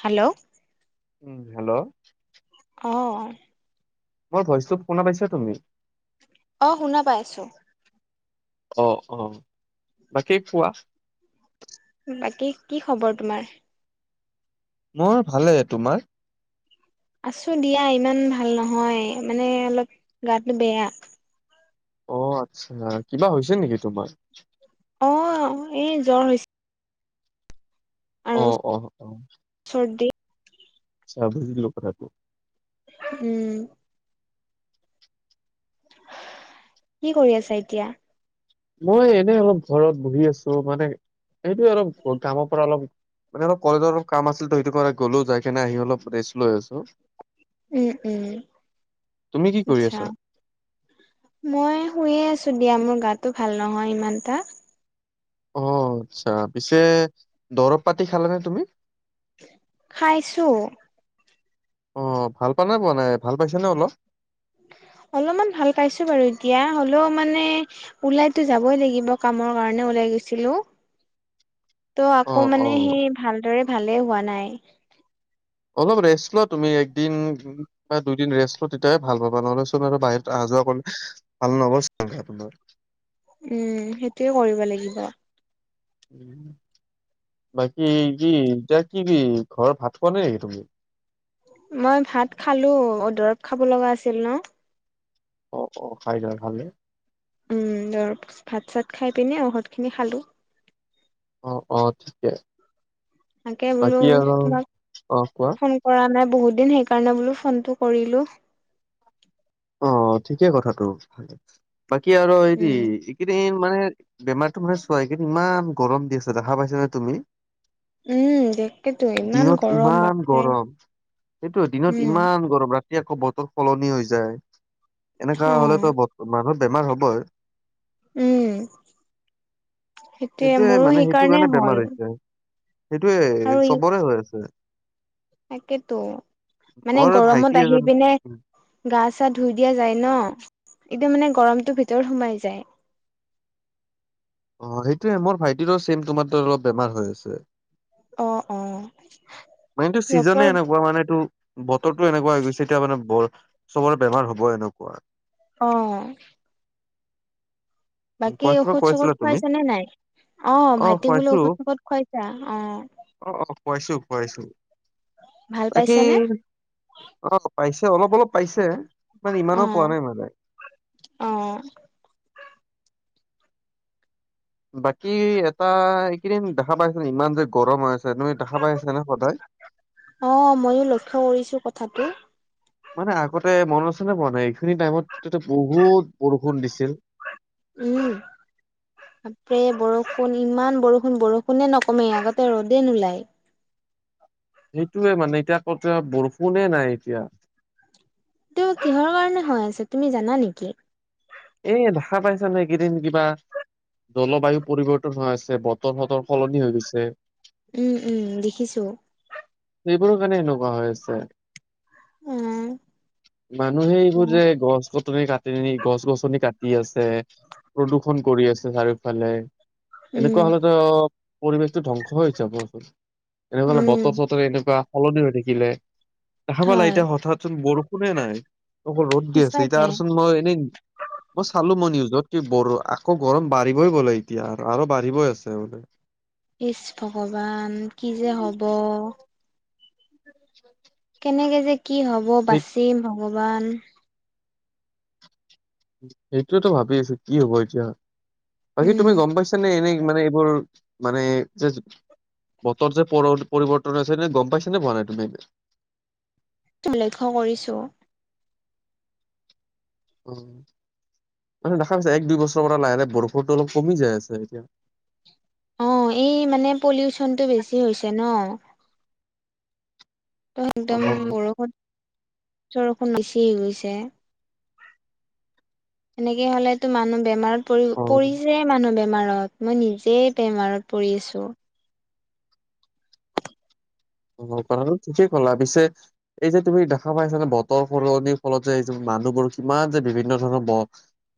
Hello. Um, hello. অ'। মোৰ ভইচটো শুনা পাইছা তুমি? অ, শুনা পাই আছোঁ। অ, অ বাকী কোৱা। বাকী কি খবৰ তোমাৰ? মই ভালে, তোমাৰ? আছোঁ দিয়া ইমান ভাল নহয়, মানে অলপ গাটো বেয়া। অ, আচ্ছা, কিবা হৈছে নেকি তোমাৰ? অ'এ জ্বৰ হৈছে। অ, আৰু অ, অ। চৰ্দি। [unintelligible] উম। কি কৰি আছা এতিয়া? মই এনেই অলপ ঘৰত বহি আছোঁ মানে সেটোৱে অলপ গামৰ পৰা অলপ মানে অলপ কলেজৰ অলপ কাম আছিল, তো সেইটোকাৰণে গ'লো যাই কেনে আহি অলপ ৰেষ্ট লৈ আছোঁ। উম, উম, তুমি কি কৰি আচ্ছা। আছা? মই শুয়ে আছোঁ দিয়া, মোৰ গাটো ভাল নহয় ইমানটা। অ'আচ্ছা, পিছে দৰৱ পাতি খালা নে তুমি? খাইছো। অ'ভাল পা নাই পোৱা নাই ভাল পাইছা নে অলপ? [inaudible] অলপমান ভাল পাইছো বাৰু এতিয়া হলেও মানে ওলাইতো যাবই লাগিব কামৰ কাৰণে ওল ওলাই গৈছিলো। ত' আকৌ অ', মানে অ'। সেই ভালদৰে ভালেই হোৱা নাই। অলপ ৰেষ্ট লোৱা তুমি একদিন বা দুইদিন ৰেষ্ট লোৱা তেতিয়াহে ভাল পাবা, নহ'লে চোন আৰু বাহিৰত আহা যোৱা কৰিলে ভাল নহব চোন গা তোমাৰ উম সেইটোৱে কৰিব লাগিব। উম। বাকী কি এতিয়া কিবি ঘৰৰ ভাত খোৱা নাই নেকি তুমি। মই ভাত খালো অ দৰৱ খাব লগা আছিল ন। অ অ খাইছা ভালে। উম দৰব ভাত চাত খাই পিনে ঔষধ খিনি খালো। অ অ ঠিকে। তাকে বোলো বাকী আৰু তোমাক অ' কোৱা ফোন কৰা নাই বহুত দিন সেইকাৰণে বোলো ফোনটো কৰিলো। অ ঠিকে কথাটো ভালে বাকী আৰু হেৰি উম এইকেইদিন মানে বেমাৰটো মানে চোৱা এইকেইদিন ইমান গৰম দি আছে দেখা পাইছা নে তুমি। উম তাকেতো ইমান দিনত গৰম ইমান বাপৰে গৰম। সেইটো দিনত উম ইমান গৰম ৰাতি আকৌ বতৰ সলনি হৈ যায়। এনেকা অ হলেতো বত মানুহৰ বেমাৰ হবই উম সেইটোয়ে মোৰো সেইকাৰণে হ'ল। সেইটোৱে আৰু ই চবৰে হৈ আছে। তাকেতো। মানে মোৰ ভাইটি গৰমত আহি এজন পিনে উম, গা চা ধুই দিয়া যায় ন। এতিয়া মানে গৰমটো ভিতৰত সোমাই যায়। অ সেইটোৱে, মোৰ ভাইটিৰো চেম তোমাৰ দৰে অলপ বেমাৰ হৈ আছে। অ', অ', মানে এইটো ডক্তৰ ছিজনে এনেকুৱা মানেটো। বতৰটো এনেকুৱা হৈ গৈছে এতিয়া মানে বৰ চবৰে বেমাৰ হব এনেকুৱা। অ। উম, বাকী কোৱা কিবা ঔষধ চৌষধ কৈছিলা তুমি? খুৱাইছা নে নাই। অ' ভাইটিক বোলে ঔষধ চৌসুধ খুৱাইছা অ। খোৱাইছো খোৱাইছো ভাল বাকী পাইছেনে অ পাইছে। অলপ অলপ পাইছে মানে অ ইমানো পোৱা নাই মানে। অ। বাকী এটা এইকেইদিন দেখা পাইছু নেকি ইমান যে গৰম হৈ আছে। তুমি দেখা পাই আছা নে সদায়? অ' ময়ো লক্ষ্য কৰিছো কথাটো। মানে আগতে মনত আছেনে পোৱা নাই এইখিনি টাইমত বহুত বৰষুণ দিছিল। উম। তাকে বৰষুণ ইমান বৰষুণ, বৰষুণে নকমে আগতে ৰ'দে নোলায়। [inaudible] সেইটোয়ে মানে এতিয়া কতোয়ে বৰষুণে নাই এতিয়া। এইটো কিহৰ কাৰনে হৈ আছে, তুমি জানা নেকি? এ দেখা পাইছা নে এইকেইদিন কিবা জলবায়ু পৰিৱৰ্তন হৈ আছে, বতৰ চতৰ সলনি হৈ গৈছে। উম উম দেখিছো। এইবোৰৰ কাৰণে এনেকুৱা হৈ আছে। উম মানুহে এইবোৰ উম যে গছ গছনি কাটি নি গছ গছ গছনি কাটি আছে, প্ৰদূষন কৰি আছে চাৰিওফালে এনেকুৱা হলেত পৰিৱেশটো ধ্বংস হৈ যাব দোছ এনেকুৱালে বতৰ উম চতৰে এনেকুৱা সলনি হৈ থাকিলে। দেখা পালা হয় এতিয়া হঠাৎ চোন বৰষুণে নাই, অকল ৰ'দ দি আছে এতিয়া সঁচাকে আৰুচোন মই এনেই মই চালো মই নিউজত কি বো আকৌ গৰম বাঢ়িবই গ'লে এতিয়া আৰু আৰু বাঢ়িবই আছে বোলে। ইচ ভগৱান কি যে হব। কেনেকে যে কি হ'ব সেই বাচিম ভগৱান। সেইটোৱেটো ভাবি আছো কি হব এতিয়া, বাকী উম তুমি গম পাইছ নে এনে? মানে এইবোৰ মানে যে বতৰ যে পৰ পৰিৱৰ্তন হৈছে গম পাইছনে পোৱা নাই তুমি? লক্ষ্য কৰিছো। অ মান দেখা পাইছ এক দুই বছৰৰ পৰা লাহে লাহে বৰষুণটো অলপ কমি যাই আছে এতিয়া। অ এই মানে পলিউচনটো বেছি হৈছে ন। ত অ একদম বৰষুণ চৰষুণ বেছি হৈ গৈছে। এনেকে হলেতো মানুহ বেমাৰত পৰি অ পৰিছে মানুহ বেমাৰ বেমাৰত, মই নিজেই বেমাৰত পৰি আছো। অ কথাটো ঠিকেই কলা পিছে এই যে তুমি দেখা পাইছানে বতৰ সলনিৰ ফলত যে এইযে মানুহবোৰ কিমান যে বিভিন্ন ধৰণৰ ব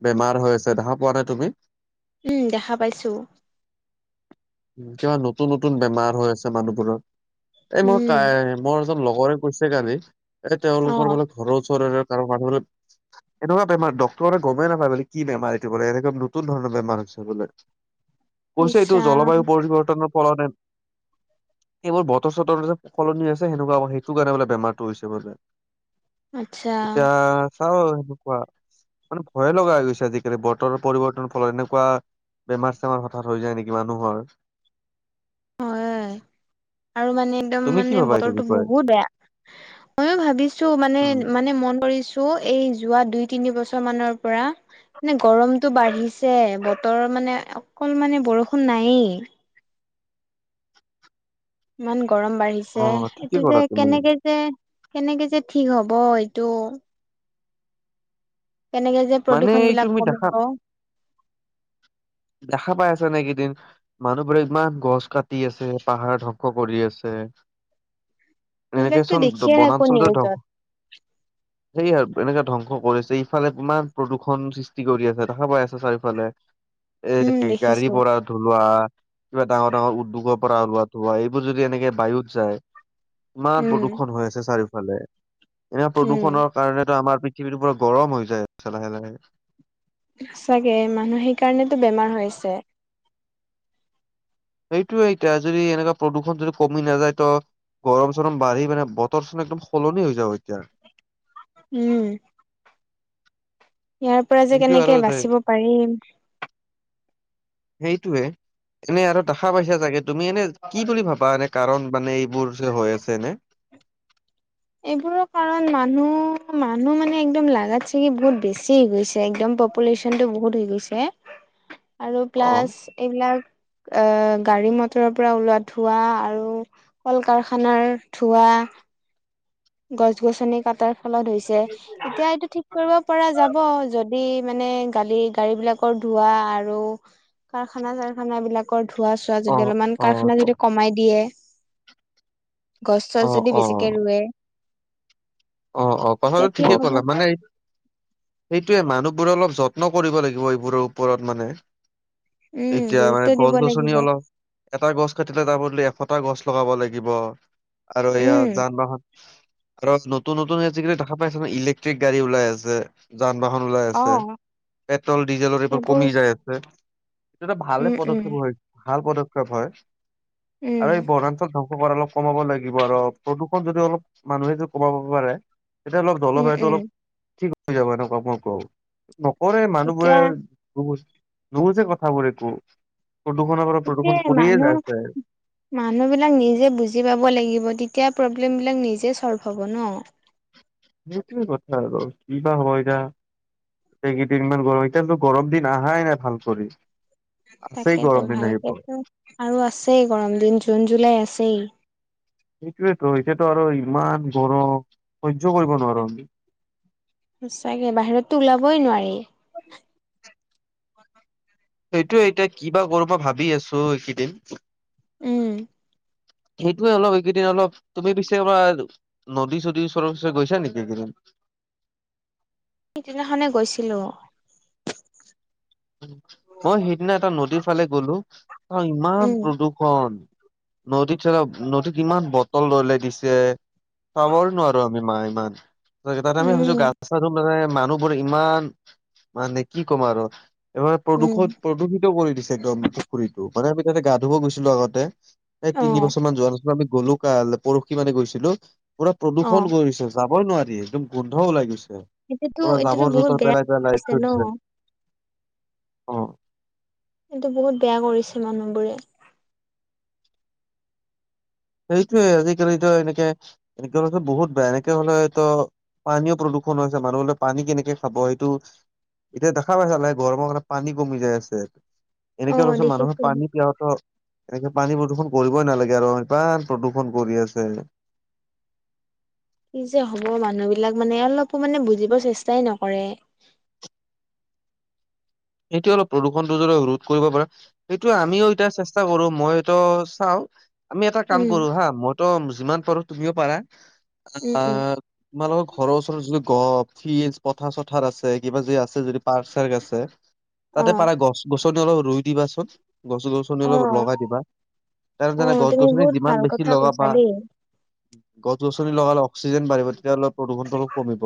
বেমাৰ হৈ আছে দেখা পোৱা নাই তুমি? উম দেখা পাইছো। কিবা নতুন নতুন বেমাৰ হৈ আছে মানুহবোৰৰ, এই মোৰ উম কাই লগৰে কৈছে কালি, অ তেওঁলোকৰ মানে ঘৰৰ ওচৰৰে মানুহৰো, এনেকুৱা বেমাৰ ডক্তৰৰে গমেই নাপায় মানে কি বেমাৰ এইটো বোলে, এনেকা নতুন ধৰণৰ বেমাৰ চাবলে। ইছ ৰাম। পৰিবৰ্তনো কৰা নাই। এইবোৰ বতৰ চতৰ যে সলনি হৈছে, সেনেকুৱা সেইটো কাৰণে বোলে বেমাৰটো হৈছে বোলে। আচ্ছা এতিয়া চাওঁ আৰু সেনেকুৱা। মানে ভয়ে লগা হৈ গৈছে আজিকালি, বতৰৰ পৰিৱৰ্তনৰ ফলত এনেকুৱা বেমাৰ-চেমাৰ হঠাৎ হৈ যায় নেকি মানুহৰ। হয় আৰু মানে একদম তুমি কি মানে ভাবা এইটো বতৰটো বিষয়ে? বহুত বেয়া। ময়ো ভাবিছো মানে, উম মানে মন কৰিছো। এই যোৱা দুই তিনি বছৰ মানৰ পৰা, মানে গৰমটো বাঢ়িছে, বতৰ মানে অকন মানে বৰষুণ নায়েই। ইমান গৰম বাঢ়িছে, অ ঠিকে এইটো ক'লা যে তুমি কেনেকে যে কেনেকে যে ঠিক হব এইটো। কেনেকে যে মানে প্ৰদূৰ্ষন বিলাক তুমি দেখা কমিব। দেখা পাই আছে নে এইকেইদিন, মানুহবোৰে ইমান গছ কাটি আছে, পাহাৰ ধ্বংস কৰি আছে। [unintelligible] এনেকে এইবিলাকতো চোন দেখিয়ে থাকো বনাঞ্চলটো ধ্বংস নিউজত। সেইয়া এনেকে ধ্বংস কৰিছে ইফালে কিমান প্ৰদূৰষণ সৃষ্টি কৰি আছে, দেখা পাই আছা চাৰিওফালে। উম এ দেখিছো গাড়ীৰ পৰা ধোৱা। কিবা ডাঙৰ ডাঙৰ উদ্যোগৰ পৰা ওলোৱা ধোৱা এইবোৰ যদি এনেকে বায়ুত যায়। ইমান উম প্ৰদূষন হৈ আছে চাৰিওফালে, এনে উম প্ৰদূষণৰ কাৰণেতো আমাৰ পৃ পৃথিৱী পুৰা গৰম হৈ যায় আছে লাহে লাহে। চাগে মানুহ সেই কাৰণেতো বেমাৰ হৈছে। সেইটোয়ে এতিয়া যদি এনেকুৱা প্ৰদূষণ যদি কমি নাযায় তো গৰম চৰম বাঢ়ি মানে বতৰ চোন একদম সলনি হৈ যাব এতিয়া। উম। ইয়াৰ পৰা যে সেইটো কেনেকে আৰু বাচিব পাৰিম। সেইটোৱে। এনে আৰু দেখা পাইছা চাগে তুমি এনে কি বুলি ভাবা এনে কাৰণ মানে এইবোৰ যে হৈ আছে এনে? [inaudible] এইবোৰৰ কাৰণ মানুহ, মানুহ মানে একদম লাগাত চাগি বহুত বেছি গৈছে একদম। পপুলেচন টো বহুত হৈ গৈছে আৰু অ প্লাছ এইবিলাক। আ' গাড়ী মটৰৰ পৰা ওলোৱা ধোঁৱা আৰু কল কাৰখানাৰ ধোঁৱা। [inaudible] গছ গছনি কাটাৰ ফলত হৈছে, এতিয়া এইটো ঠিক কৰিব পৰা যাব য যদি মানে গালি গাড়ী বিলাকৰ ধোঁৱা আৰু কাৰখানা চাৰখানা বিলাকৰ। ধোঁৱা চোৱা অ যদি অলপমান অ কাৰখানা যদি কমাই দিয়ে। গছ-চছ অ যদি অ বেছিকে ৰুৱে। অ', অ', তেতিয়া কথাটো ঠিক ঠিকেই হ'ব কলা মানে। এই এইটোয়ে মানুহবোৰ অলপ যত্ন কৰিব লাগিব এইবোৰৰ ওপৰত মানে। উম এতিয়া গুৰুত্ব মানে দিব গছ গছনি লাগিব অলপ এটা গছ। কাটিলে তাৰ বদলি এশটা গছ লগাব লাগিব আৰু সেয়া উম যান- বাহন। আৰু নতুন, নতুন আজিকালি দেখা পাইছে ইলেক্ট্ৰিক গাড়ী ওলাই আছে। যান- বাহন ওলাই অ আছে পেট্ৰল, ডিজেলৰ এইবোৰ সেইবোৰ কমি যায় আছে। এইটো এটা ভালে উম উম পদক্ষেপ হয়। ভাল পদক্ষেপ হয় উম আৰু এই বনাঞ্চল ধ অলপ কমাব লাগিব আৰু প্ৰদূষণ যদি অলপ মানুহে যদি কমাব পাৰে। তেতিয়া অলপ উম জলবায়ুটো উম অলপ ঠিক হৈ যাব এনেকুৱা মই কওঁ। নকৰে তেতিয়া মানুহবোৰে নুবুজ নুবুজে কথাবোৰ একো। প্ৰদূষণৰ পৰা প্ৰদূষণ এতিয়াই কৰিয়ে যাই মানুহ আছে মানুহ বিলাক নিজে বুজি পাব লাগিব তেতিয়া পব পব্লমবিলাক নিজে ছল্ভ হ'ব ন। সেইটোৱে কথা আৰু কি বা হ'ব এতিয়া। এই কেইদিনমান গৰম এতিয়াটো গৰম দিন অহাই নাই ভাল কৰি। আছেই গৰম তাকেতো দিন আহিব ভালকেতো আৰু আছেই গৰম দিন জুন, জুলাই আছেই। সেইটোৱেইটো এতিয়াটো আৰু ইমান গৰম। সহ্য কৰিব নোৱাৰো আমি সঁচাকে বাহিৰতো ওলাবই নোৱাৰি। সেইটোয়ে এতিয়া কিবা কৰিব ভাবি আছো এইকেইদিন। উম [unintelligible] সেইটোৱে অলপ এইকেইদিন অলপ তুমি পিছে এবাৰ নদী চদীৰ ওচৰে ওচৰে গৈছা নেকি এইকেইদিন। সেই দিনা খনেই গৈছিলোঁ। মই সেইদিনা এটা নদীৰ ফালে গলো তাত ইমান উম প্ৰদূষণ। নদীত তলত নদীত ইমান বটল দলয়াই দিছে। খাবৰ নোৱাৰো আমি মা ইমান। তাতে আমি ভাবছো গা উম চা ধূম মানে মানুহবোৰ ইমান মানে কি ক'ম আৰু। এইবাৰ উম প্ৰদূষণ প্ৰদূষিত কৰি দিছে একদম পুখুৰীটো। মানে আমি তাতে গা ধুব গৈছিলো আগতে এই অ তিনি বছৰ মান যোৱা নাছিলো আমি গ'লো কাই পৰখি মানে গৈছিলো। পুৰা অ প্ৰদূষণ কৰিছে যাবই নোৱাৰি একদম গোন্ধ ওলাই গৈছে। এইটোতো পৰা এইটোতো জাবৰ বহুত জোথৰ বেয়া পেলাই, পেলাই কৰিছে ন থৈদিছে। [unintelligible] কিন্তু বহুত বেয়া কৰিছে মানুহবোৰে। সেইটোৱে আজিকালিতো এনেকে, এনেকে বহুত বেয়া এনেকে হলেত পানীও প্ৰদূষণ হৈছে মানুহবিলাকে পানী কেনেকে খাব সেইটো এতিয়া দেখা পাইছে গৰমৰ কাৰণে পানী কমি যায় আছে। অ এনেকে হ'লে চোন মানুহৰ দেখিছো। পানী পিয়াহ'ত এনেকে পানী প্ৰদূষণ কৰিবই নালাগে আৰু কিমান প্ৰদূৰ্ষণ কৰি আছে। কি যে হ'ব মানুহবিলাক মানে অলপো মানে বুজিব চেষ্টাই নকৰে। সেইটো অলপ প্ৰদূষণটো যদি ৰোধ কৰিব পাৰে সেইটো আমিও এতিয়া চেস কৰো মইতো চাওঁ আমি এটা কাম উম কৰো হা মই ত যিমান পাৰো তুমিও পাৰা আহ উম উম তোমালোকৰ ঘৰৰ ওচৰত যদি গপ ফিজ পথাৰ চথাৰ আছে কিবা যি আছে যদি পাৰ্ক চাৰ্ক আছে অ তাতে পাৰা গছ গছনি অলপ ৰুই দিবাচোন। গছ গছনি অলপ অ লগাই দিবা, ত জানে অ', গছ তুমি গছনি বহুত যিমান ভাল বেছি কথা কৈছা লগাবা দেই, গছ গছনি লগালে অক্সিজেন বাঢ়িব তেতিয়া অলপ প্ৰদূষণটো অলপ কমিব,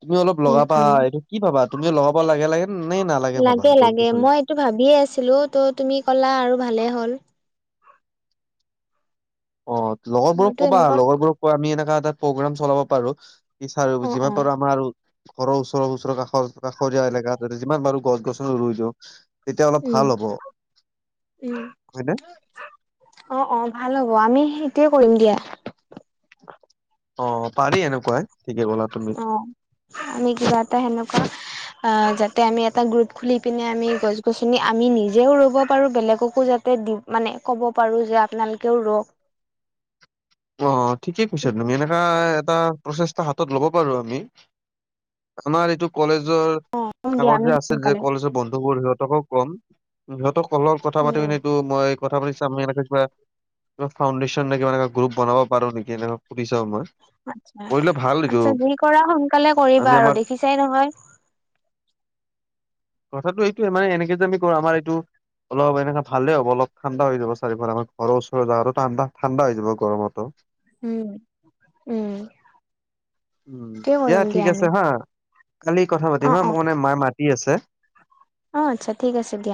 তুমি অলপ উম, লগাবা উম। এইটো কি পাবা তুমি লগাবা লাগে লাগে নে নালাগে ভাবা লাগে গছ লাগে গছনি মই এইটো ভাবিয়ে আছিলো ত' তুমি ক'লা আৰু ভালে হ'ল। অ লগৰবোৰক মইতো কবা এনেকুৱা লগৰবোৰক কোৱা আমি এনেকা এটা প্ৰগ্ৰম চলাব পাৰো। ইছাৰ অ', যিমান অ', পাৰো আমাৰ আৰু ঘৰৰ ওচৰ ওচৰ কা কাষৰ কাষৰীয়া এলেকাত যিমান পাৰো গছ গছনি ৰুই দিওঁ। তেতিয়া অলপ উম, ভাল হ'ব উম। হয়নে? অ', ভাল হ'ব অ আমি সেইটোয়ে কৰিম দিয়া। অ, পাৰি এনেকুৱাই ঠিকে ক'লা তুমি। অ, আমি কিবা এটা সেনেকুৱা অ, যাতে আমি এটা গ্ৰুপ খুলি পিনে আমি গছ গছনি আমি নিজেও ৰুব পাৰো বেলেগকো যাতে দি মানে ক'ব পাৰো যে আপোনালোকেও ৰক অ, ঠিকে কৈছা তুমি এনেকাই এটা প্ৰচেষ্টা হাতত ল'ব পাৰো আমি আমাৰ এইটো কলেজ জৰ কম দিয়া আগৰ আমি যে আছিল যে সোনকালে, কলেজৰ বন্ধুবোৰ সিহঁতকো কম সিহঁতৰ কলত কথা উম, পাতি উম। এইটো মই কথা পাতি চাম এনেকে কিবা কিবা ফাউণ্ডেশ্যন নে কিবা এ গ্ৰুপ বনাব পাৰ নেকি এনেকে আতছা আচ্ছা যি কৰা সোনকালে আমি কৰিবা আৰু আমাৰ দেখিছাই নহয় [inaudible] কথাটো এইটোয়ে মানে এনেকে যে আমি কৰো আমাৰ এইটো অলপ এনেকে ভালে হব অলপ ঠাণ্ডা হৈ যাব চাৰিওফালে আমৰ ঘৰৰ ওচৰ জাগাটো ঠাণ্ডা হৈ যাব গৰমত উম, উম, উম সেইটোৱে দিয়া কৰিম ঠিক আমি। আছে হা কালি কথা অ', পাতিম হা অ', মোৰ মানে মাৰ মাটতি আছে। অ', আচ্ছা ঠিক আছে দিয়া।